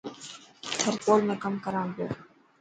ٿر ڪول ۾ ڪم ڪران پيو.